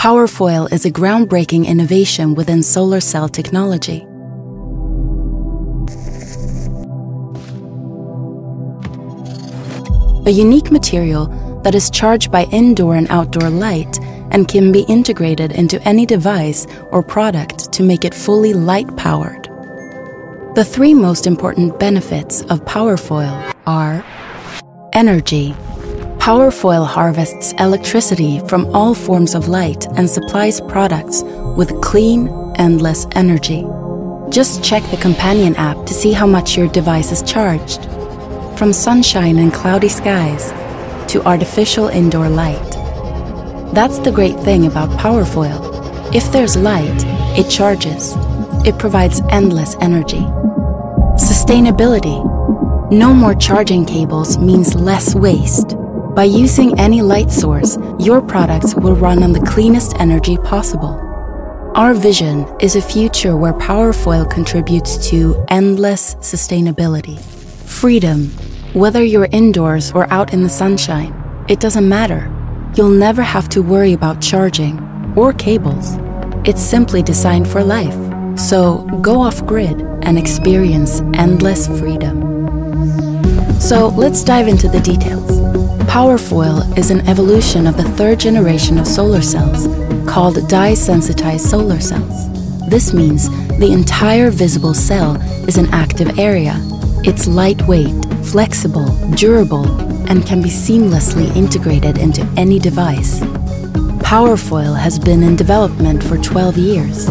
Powerfoyle is a groundbreaking innovation within solar cell technology. A unique material that is charged by indoor and outdoor light and can be integrated into any device or product to make it fully light-powered. The three most important benefits of Powerfoyle are: energy. Powerfoyle harvests electricity from all forms of light and supplies products with clean, endless energy. Just check the companion app to see how much your device is charged. From sunshine and cloudy skies to artificial indoor light. That's the great thing about Powerfoyle. If there's light, it charges. It provides endless energy. Sustainability. No more charging cables means less waste. By using any light source, your products will run on the cleanest energy possible. Our vision is a future where Powerfoyle contributes to endless sustainability. Freedom. Whether you're indoors or out in the sunshine, it doesn't matter. You'll never have to worry about charging or cables. It's simply designed for life. Go off-grid and experience endless freedom. Let's dive into the details. Powerfoyle is an evolution of the third generation of solar cells called dye-sensitized solar cells. This means the entire visible cell is an active area. It's lightweight, flexible, durable, and can be seamlessly integrated into any device. Powerfoyle has been in development for 12 years.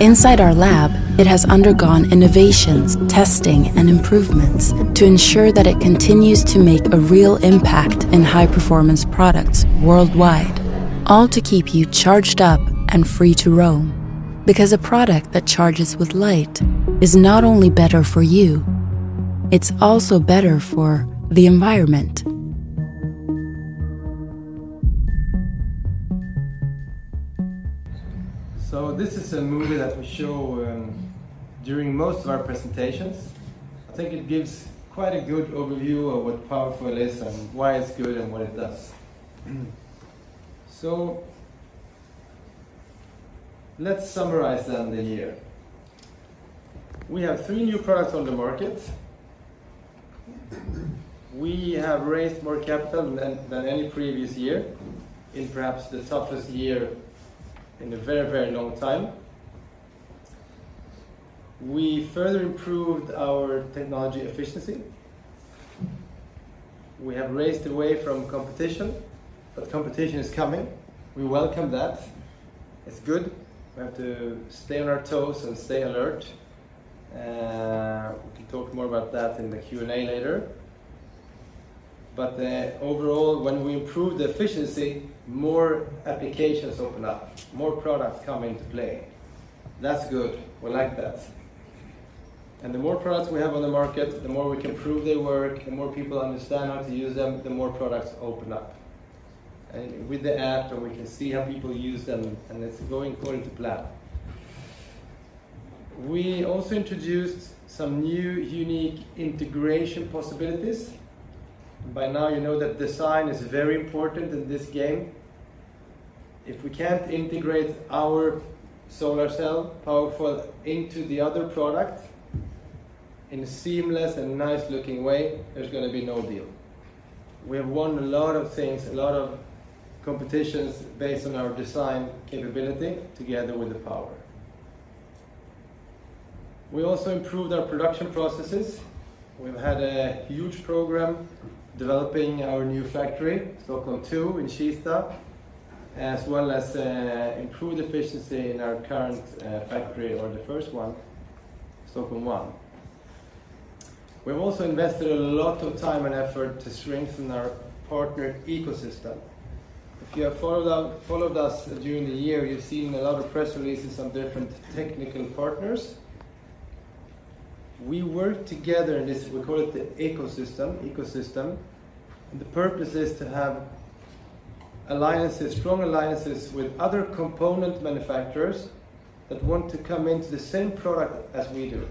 Inside our lab, it has undergone innovations, testing, and improvements to ensure that it continues to make a real impact in high-performance products worldwide. All to keep you charged up and free to roam, because a product that charges with light is not only better for you, it's also better for the environment. This is a movie that we show during most of our presentations. I think it gives quite a good overview of what Powerfoyle is and why it's good and what it does. Let's summarize then the year. We have three new products on the market. We have raised more capital than any previous year in perhaps the toughest year in a very, very long time. We further improved our technology efficiency. We have raced away from competition, but competition is coming. We welcome that. It's good. We have to stay on our toes and stay alert, we can talk more about that in the Q&A later. Overall, when we improve the efficiency, more applications open up, more products come into play. That's good. We like that, the more products we have on the market, the more we can prove they work, the more people understand how to use them, the more products open up. With the app, and we can see how people use them, and it's going according to plan. We also introduced some new unique integration possibilities. By now, you know that design is very important in this game. If we can't integrate our solar cell, Powerfoyle, into the other product in a seamless and nice-looking way, there's gonna be no deal. We have won a lot of things, a lot of competitions based on our design capability together with the power. We also improved our production processes. We've had a huge program developing our new factory, Stockholm II, in Kista, as well as improved efficiency in our current factory or the first one, Stockholm I. We've also invested a lot of time and effort to strengthen our partnered ecosystem. If you have followed us during the year, you've seen a lot of press releases on different technical partners. We work together in this, we call it the ecosystem, and the purpose is to have alliances, strong alliances with other component manufacturers that want to come into the same product as we do.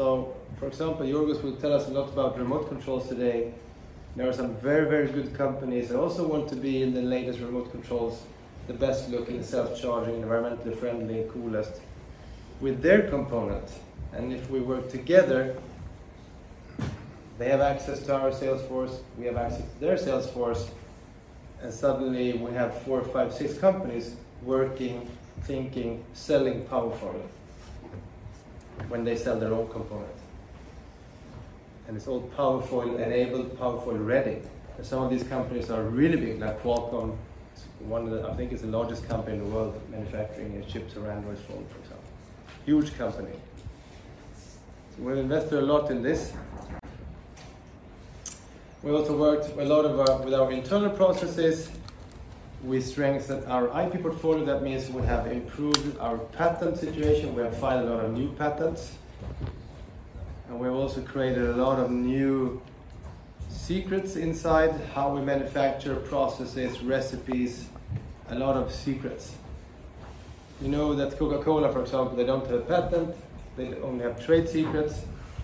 For example, Georgios will tell us a lot about remote controls today. There are some very, very good companies that also want to be in the latest remote controls, the best-looking, self-charging, environmentally friendly, coolest with their component. If we work together, they have access to our sales force, we have access to their sales force, and suddenly we have four, five, six companies working, thinking, selling Powerfoyle when they sell their own component. It's all Powerfoyle-enabled, Powerfoyle-ready. Some of these companies are really big, like Qualcomm, I think it's the largest company in the world manufacturing its chips around smartphone, for example. Huge company. We'll invest a lot in this. We also worked a lot with our internal processes. We strengthened our IP portfolio. That means we have improved our patent situation. We have filed a lot of new patents, and we've also created a lot of new secrets inside, how we manufacture processes, recipes, a lot of secrets. You know that Coca-Cola, for example, they don't have a patent, they only have trade secrets,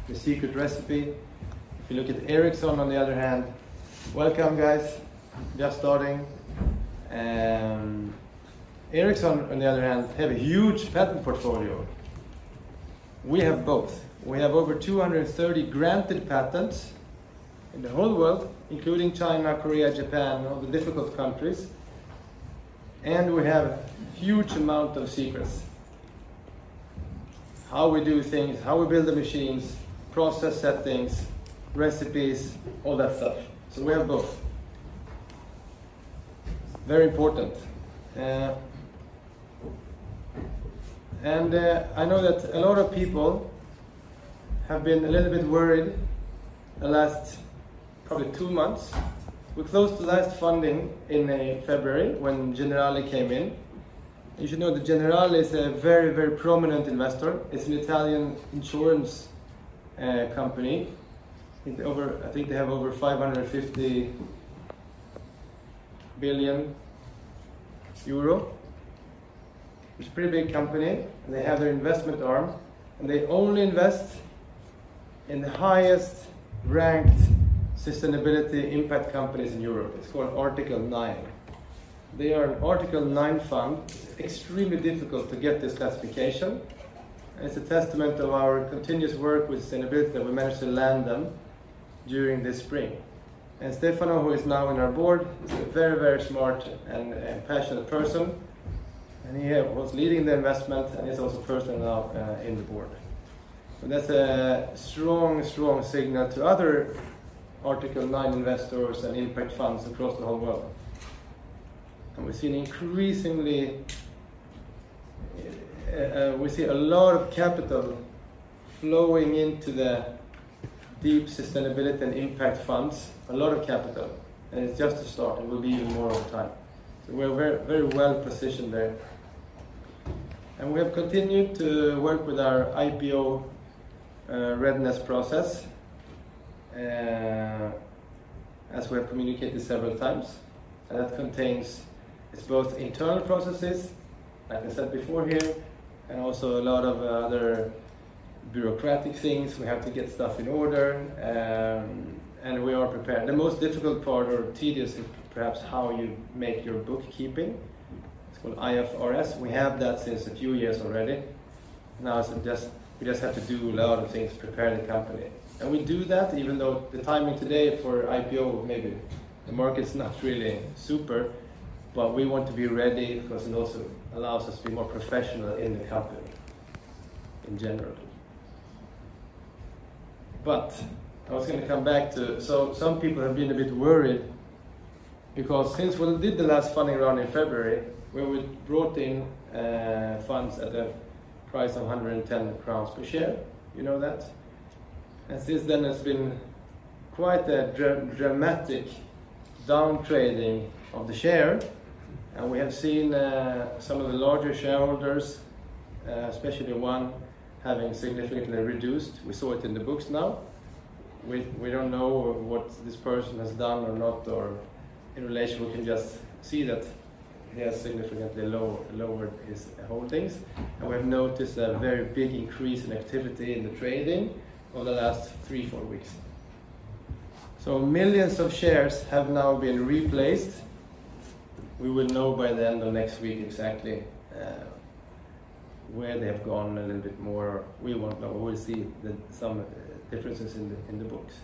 the secret recipe. If you look at Ericsson, on the other hand. Welcome, guys, just starting. Ericsson, on the other hand, have a huge patent portfolio. We have both. We have over 230 granted patents in the whole world, including China, Korea, Japan, all the difficult countries, and we have huge amount of secrets. How we do things, how we build the machines, process settings, recipes, all that stuff. We have both. Very important. I know that a lot of people have been a little bit worried the last probably two months. We closed the last funding in February when Generali came in. You should know that Generali is a very, very prominent investor. It's an Italian insurance company. I think they have over 550 billion euro. It's a pretty big company, and they have their investment arm, and they only invest in the highest-ranked sustainability impact companies in Europe. It's called Article 9. They are an Article 9 fund. It's extremely difficult to get this classification, it's a testament of our continuous work with sustainability that we managed to land them during this spring. Stefano, who is now in our board, is a very, very smart and passionate person, and he was leading the investment and is also personally now in the board. That's a strong signal to other Article 9 investors and impact funds across the whole world. We've seen increasingly a lot of capital flowing into the deep sustainability and impact funds, a lot of capital, and it's just the start, and will be even more over time. We're very, very well positioned there. We have continued to work with our IPO readiness process as we have communicated several times. It's both internal processes, like I said before here, and also a lot of other bureaucratic things. We have to get stuff in order. We are prepared. The most difficult part, or tedious, is perhaps how you make your bookkeeping. It's called IFRS. We have that since a few years already. We just have to do a lot of things to prepare the company. We do that, even though the timing today for IPO, maybe the market's not really super, but we want to be ready because it also allows us to be more professional in the company in general. I was going to come back to... Some people have been a bit worried because since we did the last funding round in February, when we brought in funds at a price of 110 crowns per share, you know that? Since then, it's been quite a dramatic downtrading of the share, and we have seen some of the larger shareholders, especially one, having significantly reduced. We saw it in the books now. We don't know what this person has done or not, or in relation, we can just see that he has significantly lowered his holdings, and we've noticed a very big increase in activity in the trading over the last three, four weeks. Millions of shares have now been replaced. We will know by the end of next week exactly where they have gone a little bit more. We won't know, but we'll see some differences in the books.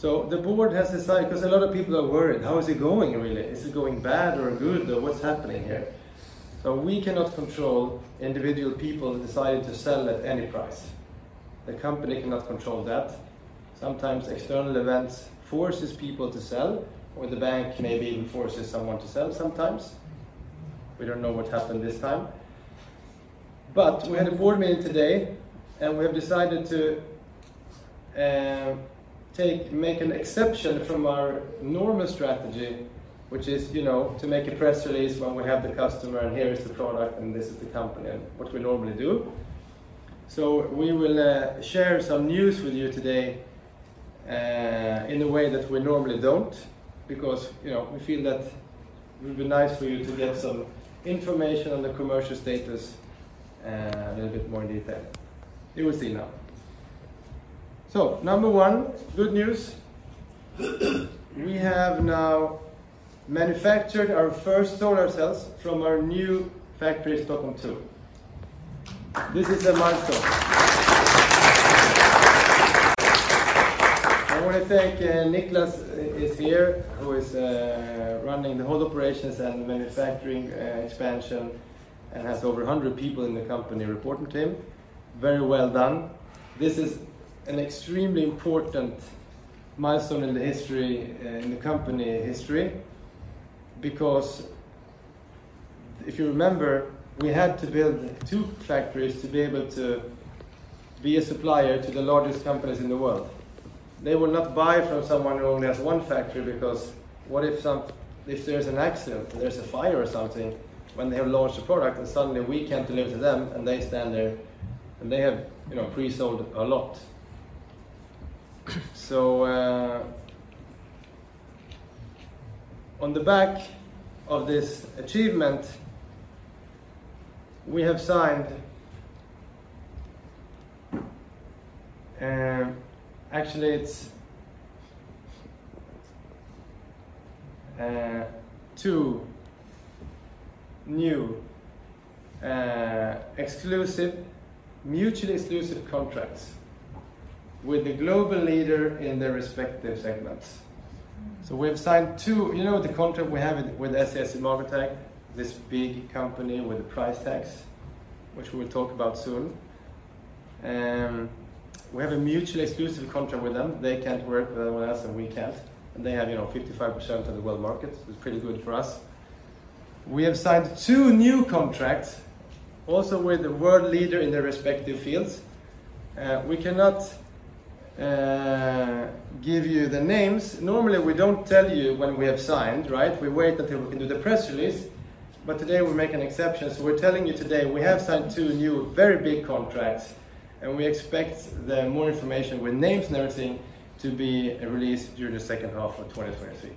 The board has decided, because a lot of people are worried, "How is it going, really? Is it going bad or good, or what's happening here?" We cannot control individual people who decided to sell at any price. The company cannot control that. Sometimes external events forces people to sell, or the bank maybe forces someone to sell sometimes. We don't know what happened this time. We had a board meeting today, and we have decided to make an exception from our normal strategy, which is, you know, to make a press release when we have the customer, and here is the product, and this is the company, and what we normally do. We will share some news with you today, in a way that we normally don't, because, you know, we feel that it would be nice for you to get some information on the commercial status, in a little bit more detail. You will see now. Number one, good news, we have now manufactured our first solar cells from our new factory in Stockholm II. This is a milestone. I want to thank Niklas is here, who is running the whole operations and manufacturing expansion and has over 100 people in the company reporting to him. Very well done. This is an extremely important milestone in the history, in the company history, because if you remember, we had to build two factories to be able to be a supplier to the largest companies in the world. They will not buy from someone who only has one factory, because what if if there's an accident, and there's a fire or something, when they have launched a product and suddenly we can't deliver to them, and they stand there, and they have, you know, pre-sold a lot. On the back of this achievement, we have signed, actually it's two new, exclusive, mutually exclusive contracts with the global leader in their respective segments. You know, the contract we have with SES-imagotag, this big company with the price tags, which we will talk about soon. We have a mutually exclusive contract with them. They can't work with anyone else, and we can't. They have, you know, 55% of the world market, so it's pretty good for us. We have signed two new contracts, also with the world leader in their respective fields. We cannot give you the names. Normally, we don't tell you when we have signed, right? We wait until we can do the press release. Today we make an exception. We're telling you today, we have signed two new, very big contracts, and we expect the more information with names and everything to be released during the second half of 2023.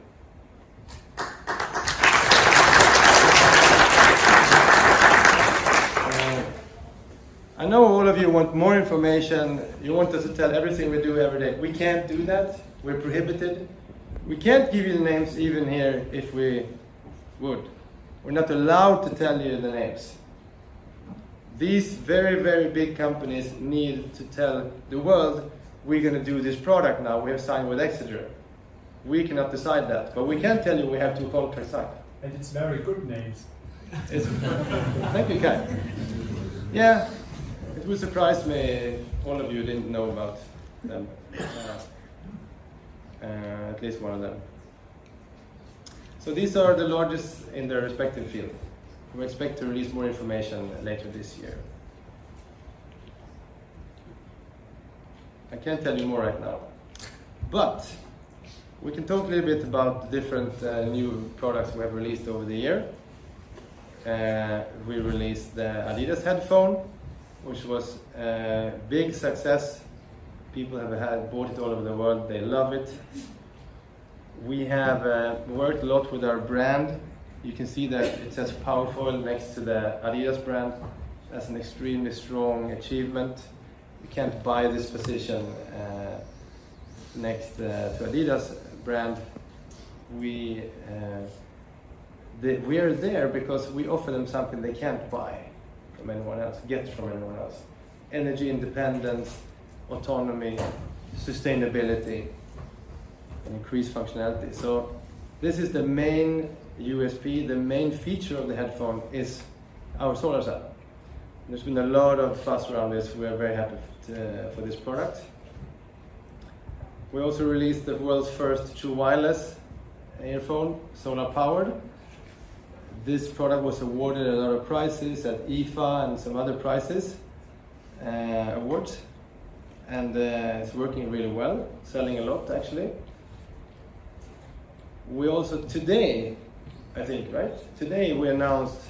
I know all of you want more information. You want us to tell everything we do every day. We can't do that. We're prohibited. We can't give you the names even here, if we would. We're not allowed to tell you the names. These very, very big companies need to tell the world, "We're going to do this product now. We have signed with Exeger. We cannot decide that. We can tell you we have two contracts signed. It's very good names. Thank you, Kat. Yeah, it would surprise me if all of you didn't know about them, at least one of them. These are the largest in their respective field. We expect to release more information later this year. I can't tell you more right now, but we can talk a little bit about the different new products we have released over the year. We released the adidas headphone, which was a big success. People have bought it all over the world. They love it. We have worked a lot with our brand. You can see that it says, "Powerfoyle," next to the adidas brand. That's an extremely strong achievement. We can't buy this position, next to adidas brand. We are there because we offer them something they can't buy from anyone else, get from anyone else: energy independence, autonomy, sustainability, and increased functionality. This is the main USP. The main feature of the headphone is our solar cell. There's been a lot of fuss around this. We are very happy for this product. We also released the world's first true wireless earphone, solar-powered. This product was awarded a lot of prizes at IFA and some other prizes, awards, and it's working really well, selling a lot, actually. Today, I think, right? Today, we announced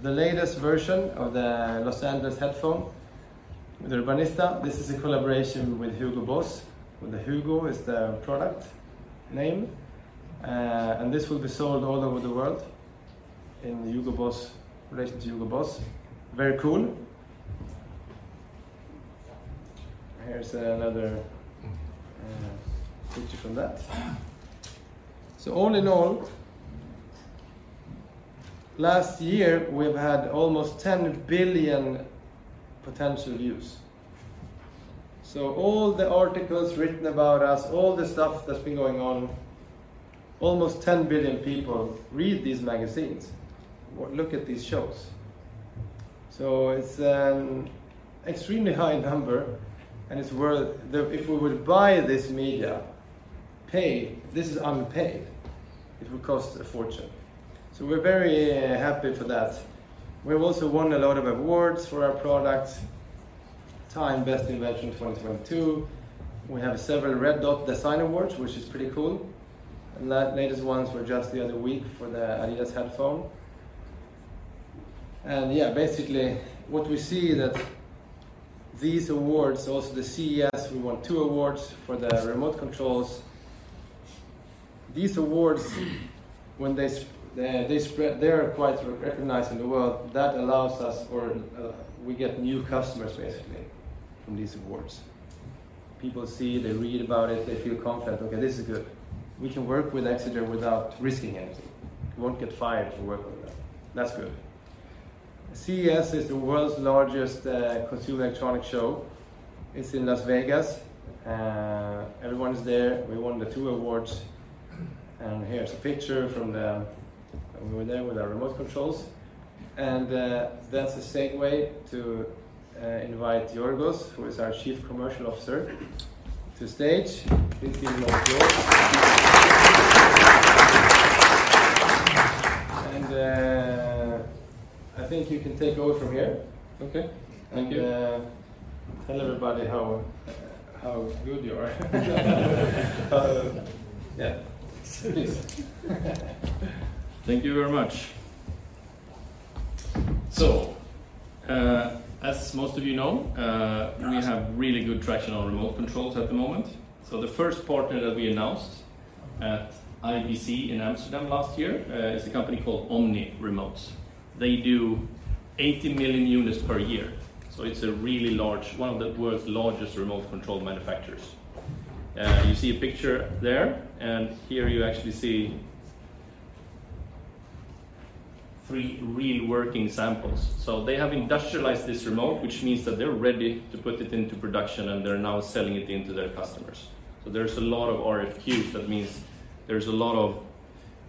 the latest version of the Los Angeles headphone with Urbanista. This is a collaboration with HUGO BOSS, with the HUGO is the product name. This will be sold all over the world in the HUGO BOSS, relation to HUGO BOSS. Very cool. Here's another picture from that. All in all, last year, we've had almost 10 billion potential views. All the articles written about us, all the stuff that's been going on, almost 10 billion people read these magazines or look at these shows. It's an extremely high number, and it's worth if we would buy this media, paid, this is unpaid, it would cost a fortune. We're very happy for that. We've also won a lot of awards for our products. TIME Best Inventions 2022. We have several Red Dot Design Award, which is pretty cool. The latest ones were just the other week for the adidas headphone. Yeah, basically, what we see that these awards, also the CES, we won two awards for the remote controls. These awards, when they spread, they are quite recognized in the world. That allows us for, we get new customers, basically, from these awards. People see, they read about it, they feel confident, "Okay, this is good. We can work with Exeger without risking anything. We won't get fired if we work with them." That's good. CES is the world's largest consumer electronic show. It's in Las Vegas. Everyone is there. We won the two awards, and here's a picture from when we were there with our remote controls. That's the same way to invite Georgios, who is our Chief Commercial Officer, to stage. Please give him a round of applause. I think you can take over from here. Okay. Thank you. Tell everybody how good you are. Yeah, please. Thank you very much. ...As most of you know, we have really good traction on remote controls at the moment. The first partner that we announced at IBC in Amsterdam last year is a company called Omni Remotes. They do 80 million units per year, so it's one of the world's largest remote control manufacturers. You see a picture there, and here you actually see three real working samples. They have industrialized this remote, which means that they're ready to put it into production, and they're now selling it into their customers. There's a lot of RFQs. That means there's a lot of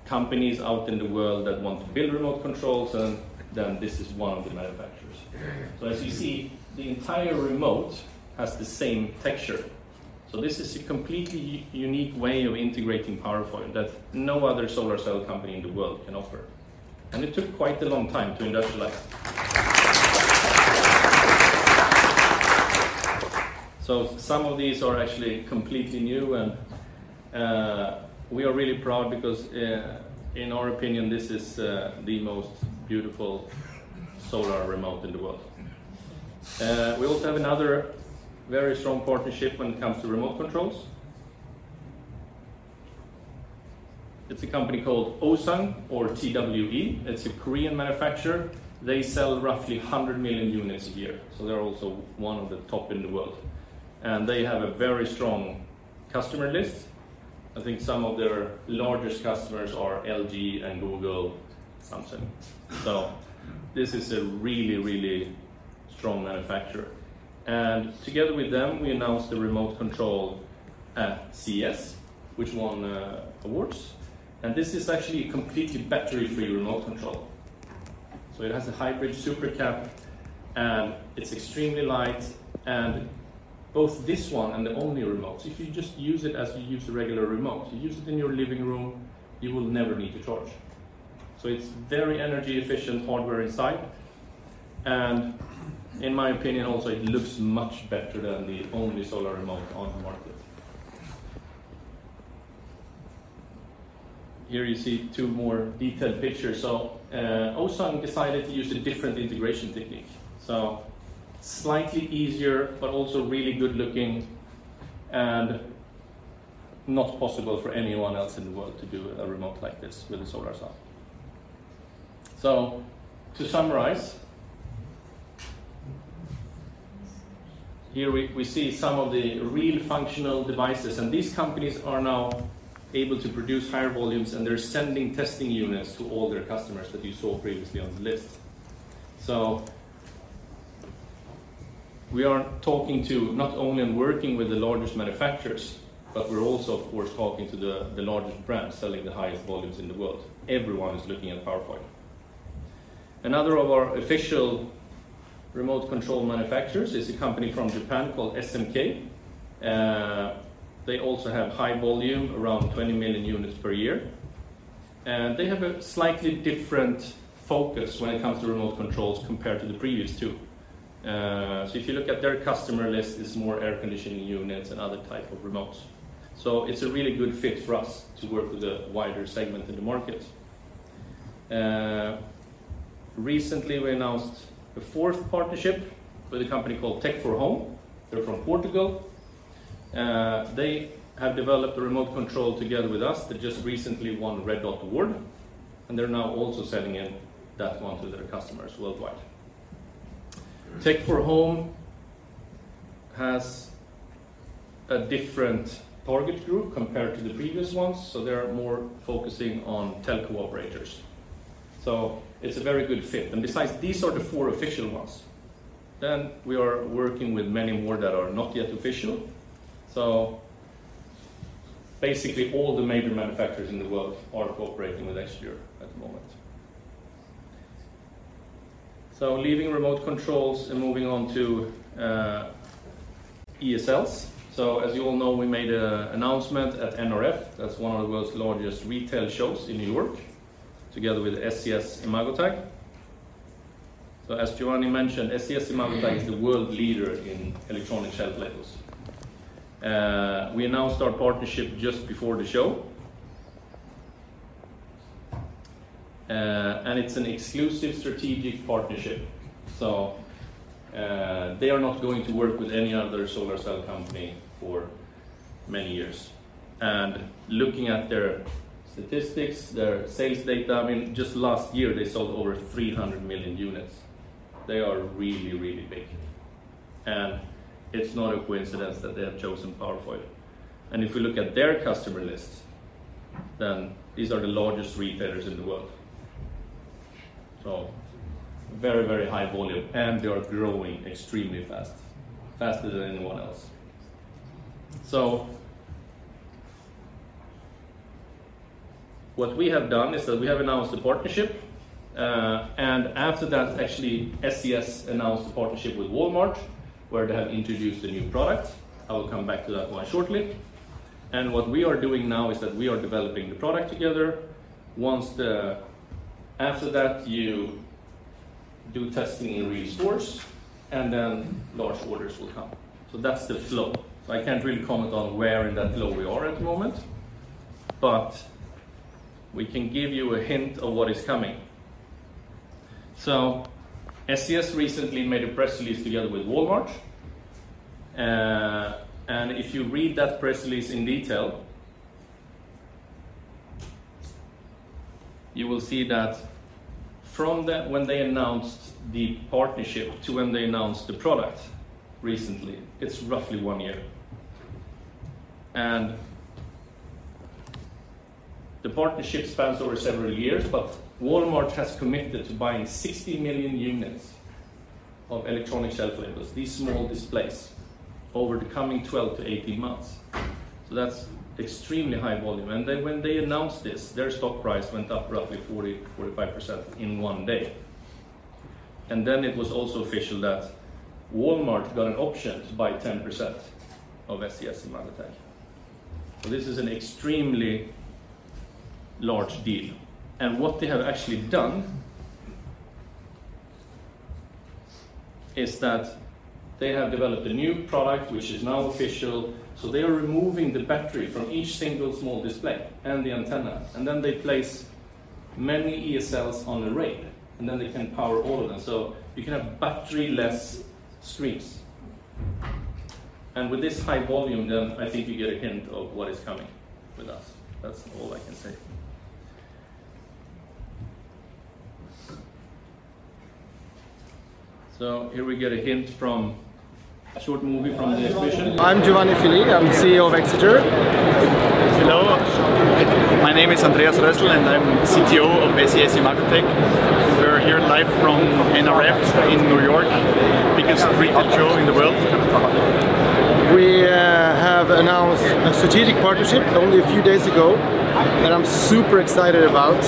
companies out in the world that want to build remote controls, and then this is one of the manufacturers. As you see, the entire remote has the same texture. This is a completely unique way of integrating Powerfoyle that no other solar cell company in the world can offer. It took quite a long time to industrialize. Some of these are actually completely new, and we are really proud because, in our opinion, this is the most beautiful solar remote in the world. We also have another very strong partnership when it comes to remote controls. It's a company called Ohsung, or TWE. It's a Korean manufacturer. They sell roughly 100 million units a year, so they're also one of the top in the world, and they have a very strong customer list. I think some of their largest customers are LG and Google, Samsung. This is a really, really strong manufacturer. Together with them, we announced the remote control at CES, which won awards. This is actually a completely battery-free remote control. It has a hybrid super cap, and it's extremely light, and both this one and the Omni Remotes, if you just use it as you use a regular remote, you use it in your living room, you will never need to charge. It's very energy-efficient hardware inside, and in my opinion, also, it looks much better than the only solar remote on the market. Here you see two more detailed pictures. Ohsung decided to use a different integration technique, so slightly easier, but also really good-looking and not possible for anyone else in the world to do a remote like this with a solar cell. To summarize, here we see some of the real functional devices, these companies are now able to produce higher volumes, and they're sending testing units to all their customers that you saw previously on the list. We are talking to, not only in working with the largest manufacturers, but we're also, of course, talking to the largest brands selling the highest volumes in the world. Everyone is looking at Powerfoyle. Another of our official remote control manufacturers is a company from Japan called SMK. They also have high volume, around 20 million units per year, they have a slightly different focus when it comes to remote controls compared to the previous two. If you look at their customer list, it's more air conditioning units and other type of remotes. It's a really good fit for us to work with a wider segment in the market. Recently, we announced a fourth partnership with a company called Tech4home. They're from Portugal. They have developed a remote control together with us that just recently won a Red Dot Award, and they're now also selling it, that one, to their customers worldwide. Tech4home has a different target group compared to the previous ones, so they are more focusing on telco operators. It's a very good fit. Besides, these are the four official ones, then we are working with many more that are not yet official. Basically, all the major manufacturers in the world are cooperating with Exeger at the moment. Leaving remote controls and moving on to ESLs. As you all know, we made an announcement at NRF. That's one of the world's largest retail shows in New York, together with SES-imagotag. As Giovanni mentioned, SES-imagotag is the world leader in electronic shelf labels. We announced our partnership just before the show, and it's an exclusive strategic partnership, so, they are not going to work with any other solar cell company for many years. Looking at their statistics, their sales data, I mean, just last year, they sold over 300 million units. They are really, really big, and it's not a coincidence that they have chosen Powerfoyle. If you look at their customer list, then these are the largest retailers in the world. Very, very high volume, and they are growing extremely fast, faster than anyone else. What we have done is that we have announced a partnership, and after that, actually, SES announced a partnership with Walmart, where they have introduced a new product. I will come back to that one shortly. What we are doing now is that we are developing the product together. After that, you do testing in resource, and then large orders will come. That's the flow. I can't really comment on where in that flow we are at the moment. But we can give you a hint of what is coming. SES recently made a press release together with Walmart. If you read that press release in detail, you will see that from when they announced the partnership to when they announced the product recently, it's roughly one year. The partnership spans over several years, but Walmart has committed to buying 60 million units of electronic shelf labels, these small displays, over the coming 12-18 months. That's extremely high volume. When they announced this, their stock price went up roughly 40%-45% in one day. It was also official that Walmart got an option to buy 10% of SES-imagotag. This is an extremely large deal, and what they have actually done, is that they have developed a new product, which is now official. They are removing the battery from each single small display and the antenna, and then they place many ESLs on a rail, and then they can power all of them. You can have battery-less screens. With this high volume, then I think you get a hint of what is coming with us. That's all I can say. Here we get a hint from a short movie from the exhibition. I'm Giovanni Fili. I'm CEO of Exeger. Hello. My name is Andreas Rössl, and I'm CTO of SES-imagotag. We're here live from NRF in New York, biggest retail show in the world. We have announced a strategic partnership only a few days ago, that I'm super excited about.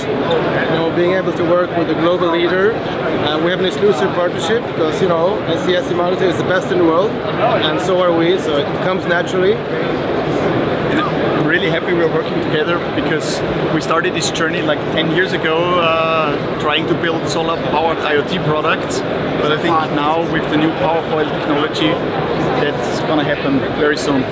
You know, being able to work with a global leader, and we have an exclusive partnership because, you know, SES-imagotag is the best in the world, and so are we, so it comes naturally. I'm really happy we are working together because we started this journey like 10 years ago, trying to build solar-powered IoT products. I think now with the new Powerfoyle technology, that's going to happen very soon.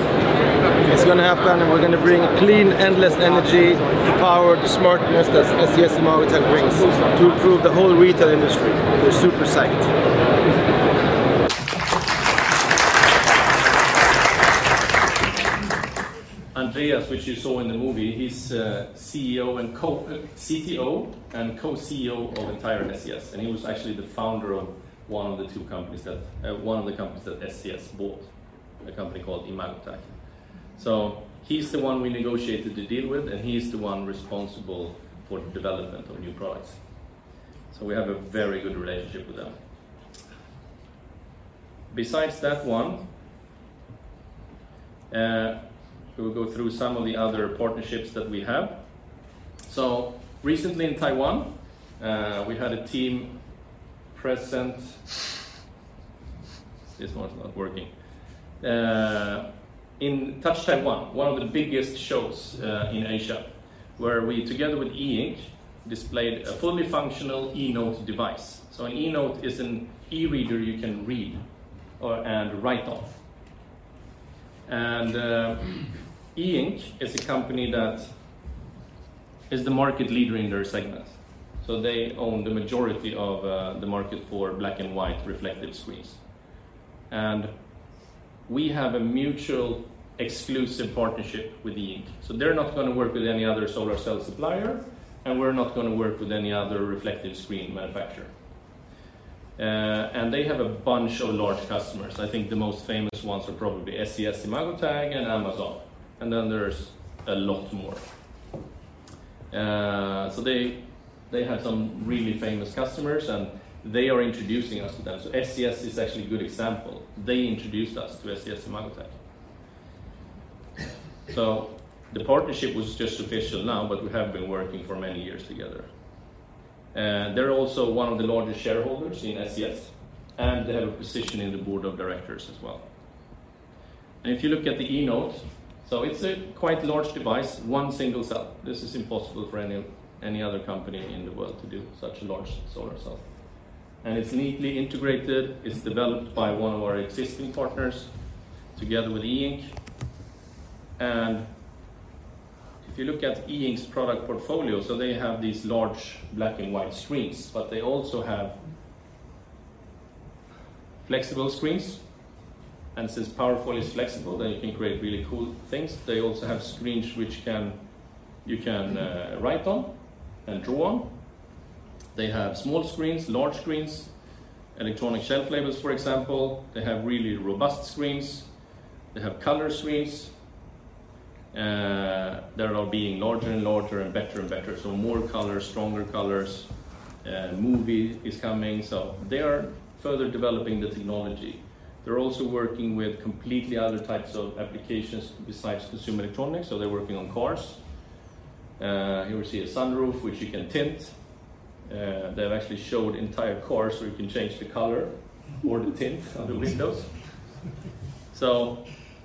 It's going to happen. We're going to bring a clean, endless energy to power the smartness that SES-imagotag brings to improve the whole retail industry. We're super psyched. Andreas, which you saw in the movie, he's CTO and co-CEO of the entire SES, and he was actually the founder of one of the two companies that, one of the companies that SES bought, a company called Imagotag. He's the one we negotiated the deal with, and he's the one responsible for the development of new products. We have a very good relationship with them. Besides that one, we will go through some of the other partnerships that we have. Recently in Taiwan, we had a team present. This one's not working. In Touch Taiwan, one of the biggest shows in Asia, where we, together with E Ink, displayed a fully functional eNote device. An eNote is an e-reader you can read and write on. E Ink is a company that is the market leader in their segment, so they own the majority of the market for black and white reflective screens. We have a mutual exclusive partnership with E Ink, so they're not going to work with any other solar cell supplier, and we're not going to work with any other reflective screen manufacturer. They have a bunch of large customers. I think the most famous ones are probably SES-imagotag and Amazon, and then there's a lot more. So they have some really famous customers, and they are introducing us to them. SES is actually a good example. They introduced us to SES-imagotag. The partnership was just official now, but we have been working for many years together. They're also one of the largest shareholders in SES, and they have a position in the board of directors as well. If you look at the eNote, so it's a quite large device, one single cell. This is impossible for any other company in the world to do such a large solar cell. It's neatly integrated. It's developed by one of our existing partners together with E Ink. If you look at E Ink's product portfolio, so they have these large black and white screens, but they also have flexible screens, and since Powerfoyle is flexible, then you can create really cool things. They also have screens which you can write on and draw on. They have small screens, large screens, electronic shelf labels, for example. They have really robust screens. They have color screens. They're all being larger and larger and better and better, more colors, stronger colors. Movie is coming. They are further developing the technology. They're also working with completely other types of applications besides consumer electronics, they're working on cars. Here we see a sunroof, which you can tint. They've actually showed entire cars, where you can change the color or the tint on the windows.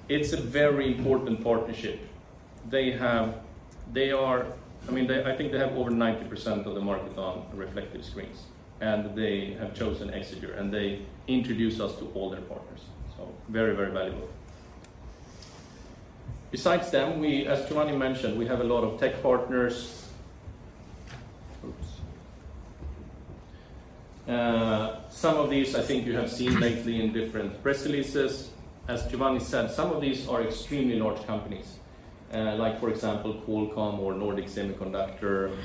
It's a very important partnership. I mean, they, I think they have over 90% of the market on reflective screens, and they have chosen Exeger, and they introduce us to all their partners. Very, very valuable. Besides them, we, as Giovanni mentioned, we have a lot of tech partners. Some of these I think you have seen lately in different press releases. As Giovanni said, some of these are extremely large companies, like for example, Qualcomm or Nordic Semiconductor,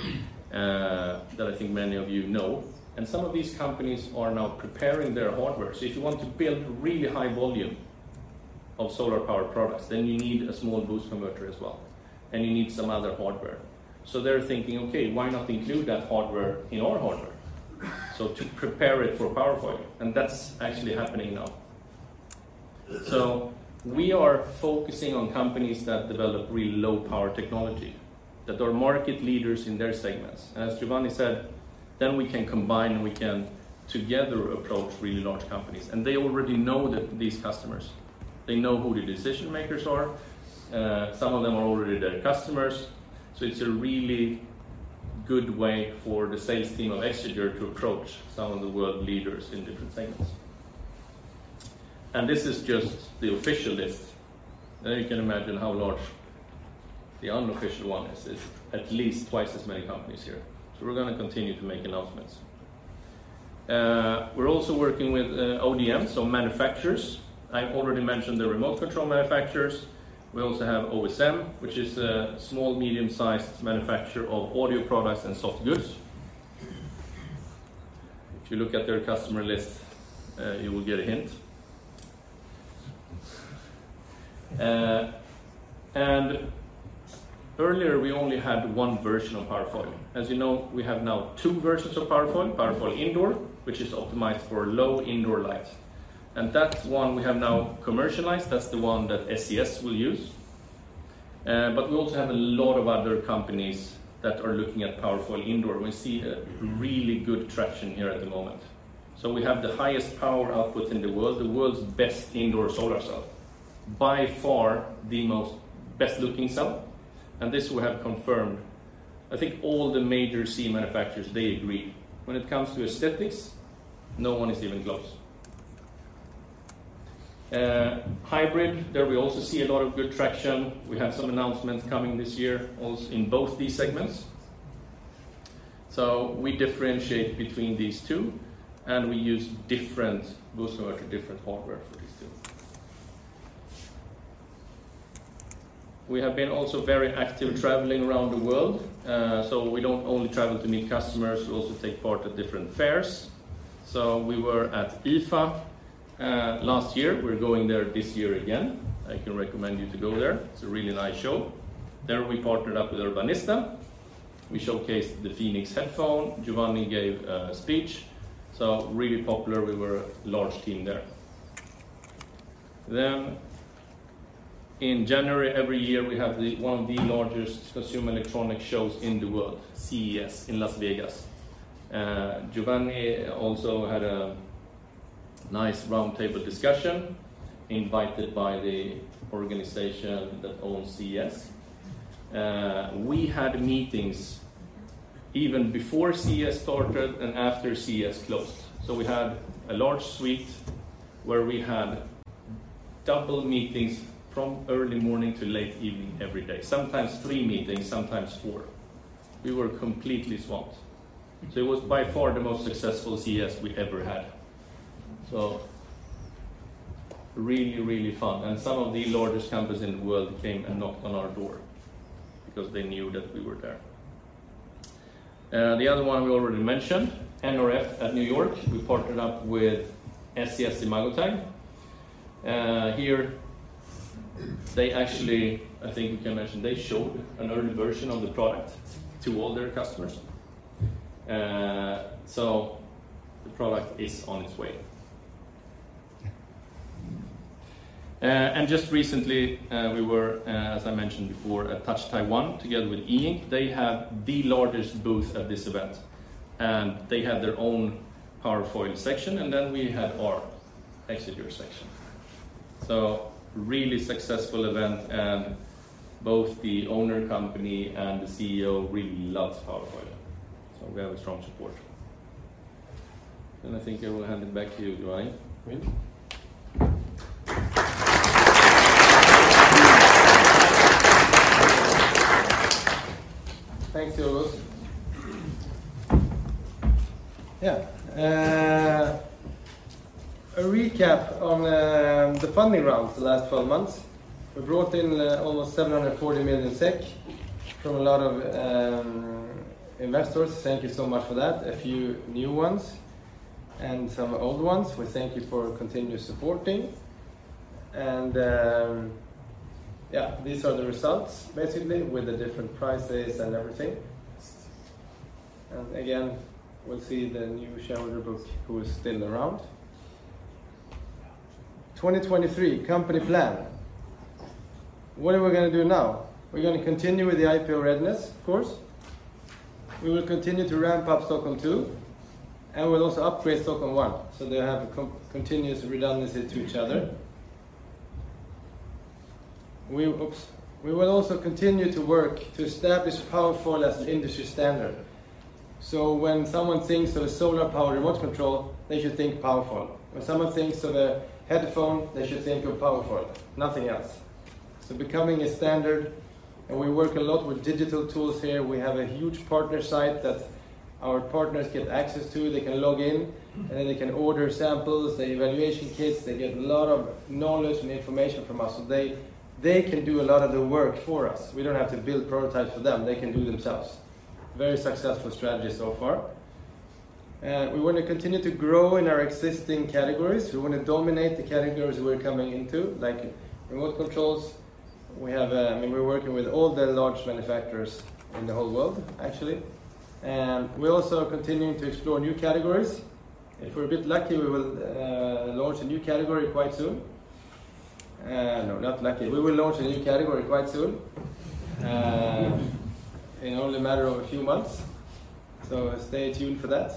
that I think many of you know. Some of these companies are now preparing their hardware. If you want to build really high volume of solar-powered products, then you need a small boost converter as well, and you need some other hardware. They're thinking, "Okay, why not include that hardware in our hardware?" To prepare it for Powerfoyle, and that's actually happening now. We are focusing on companies that develop really low power technology, that are market leaders in their segments. As Giovanni said, we can combine, and we can together approach really large companies, and they already know that these customers. They know who the decision-makers are. Some of them are already their customers, so it's a really good way for the sales team of Exeger to approach some of the world leaders in different segments. This is just the official list. You can imagine how large the unofficial one is. It's at least twice as many companies here, so we're going to continue to make announcements. We're also working with ODMs, so manufacturers. I've already mentioned the remote control manufacturers. We also have OSM, which is a small, medium-sized manufacturer of audio products and soft goods. If you look at their customer list, you will get a hint. Earlier we only had one version of Powerfoyle. As you know, we have now two versions of Powerfoyle Indoor, which is optimized for low indoor light, and that one we have now commercialized. That's the one that SES will use. We also have a lot of other companies that are looking at Powerfoyle Indoor. We see a really good traction here at the moment. We have the highest power output in the world, the world's best indoor solar cell. By far, the most best-looking cell, and this we have confirmed. I think all the major CE manufacturers, they agree. When it comes to aesthetics, no one is even close. Hybrid, there we also see a lot of good traction. We have some announcements coming this year, in both these segments. We differentiate between these two, and we use different boost converter, different hardware for these two. We have been also very active traveling around the world. We don't only travel to meet customers, we also take part at different fairs. We were at IFA last year. We're going there this year again. I can recommend you to go there. It's a really nice show. There, we partnered up with Urbanista. We showcased the Phoenix headphone. Giovanni gave a speech, so really popular. We were a large team there. In January, every year, we have one of the largest consumer electronic shows in the world, CES, in Las Vegas. Giovanni also had a nice roundtable discussion, invited by the organization that owns CES. We had meetings even before CES started and after CES closed. We had a large suite where we had double meetings from early morning to late evening, every day. Sometimes three meetings, sometimes four. We were completely swamped. It was by far the most successful CES we ever had. Really, really fun. Some of the largest companies in the world came and knocked on our door because they knew that we were there. The other one we already mentioned, NRF at New York, we partnered up with SES-imagotag. Here, they actually, I think we can mention, they showed an early version of the product to all their customers. The product is on its way. Just recently, we were, as I mentioned before, at Touch Taiwan, together with E Ink. They have the largest booth at this event, and they had their own Powerfoyle section, and then we had our Exeger section. Really successful event, and both the owner company and the CEO really loves Powerfoyle, so we have a strong support. I think I will hand it back to you, Giovanni, please. Thanks, Georgios. Yeah, a recap on the funding round the last 12 months. We brought in almost 740 million SEK from a lot of investors. Thank you so much for that. A few new ones and some old ones. We thank you for continued supporting. Yeah, these are the results, basically, with the different prices and everything. Again, we'll see the new shareholder book, who is still around. 2023 company plan. What are we going to do now? We're going to continue with the IPO readiness, of course. We will continue to ramp up Stockholm II, and we'll also upgrade Stockholm I, so they have a continuous redundancy to each other. We will also continue to work to establish Powerfoyle as an industry standard. When someone thinks of a solar-powered remote control, they should think Powerfoyle. When someone thinks of a headphone, they should think of Powerfoyle, nothing else. Becoming a standard, and we work a lot with digital tools here. We have a huge partner site that our partners get access to. They can log in, and then they can order samples, the evaluation kits. They get a lot of knowledge and information from us, so they can do a lot of the work for us. We don't have to build prototypes for them. They can do it themselves. Very successful strategy so far. We want to continue to grow in our existing categories. We want to dominate the categories we're coming into, like remote controls. We have, I mean, we're working with all the large manufacturers in the whole world, actually, and we're also continuing to explore new categories. If we're a bit lucky, we will launch a new category quite soon. No, not lucky. We will launch a new category quite soon, in only a matter of a few months, so stay tuned for that,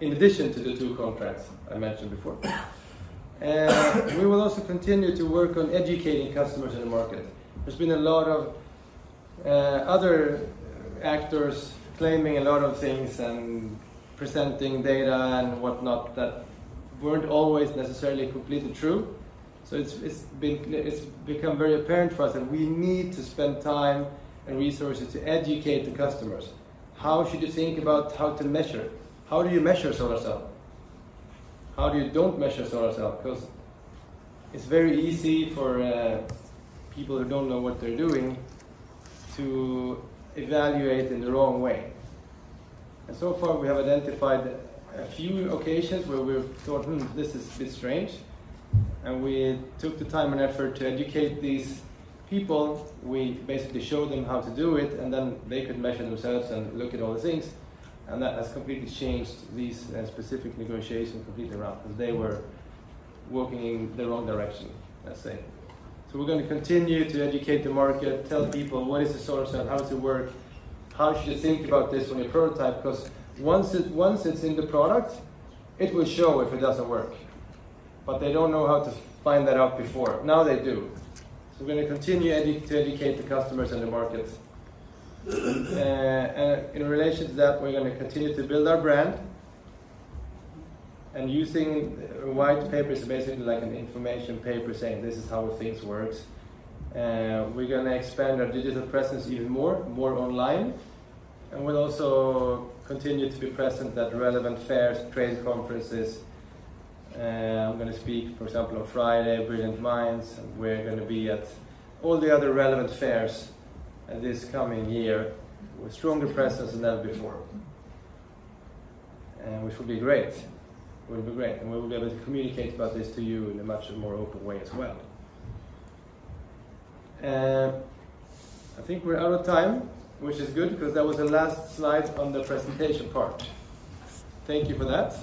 in addition to the two contracts I mentioned before. We will also continue to work on educating customers in the market. There's been a lot of other actors claiming a lot of things and presenting data and whatnot, that weren't always necessarily completely true. It's become very apparent for us that we need to spend time and resources to educate the customers. How should you think about how to measure? How do you measure a solar cell? How do you don't measure a solar cell? 'Cause it's very easy for people who don't know what they're doing to evaluate in the wrong way. So far, we have identified a few occasions where we've thought, "Hmm, this is a bit strange." We took the time and effort to educate these people. We basically showed them how to do it, and then they could measure themselves and look at all the things, and that has completely changed these specific negotiations completely around, 'cause they were working in the wrong direction, let's say. We're gonna continue to educate the market, tell people what is a solar cell, how does it work, how should you think about this from a prototype? 'Cause once it's in the product, it will show if it doesn't work. They don't know how to find that out before. Now they do. We're gonna continue to educate the customers and the market. In relation to that, we're gonna continue to build our brand. Using a white paper is basically like an information paper saying, "This is how things works." We're gonna expand our digital presence even more, more online, and we'll also continue to be present at relevant fairs, trade conferences. I'm gonna speak, for example, on Friday at Brilliant Minds, and we're gonna be at all the other relevant fairs this coming year with stronger presence than ever before. Which will be great. It will be great, and we will be able to communicate about this to you in a much more open way as well. I think we're out of time, which is good, 'cause that was the last slide on the presentation part. Thank you for that.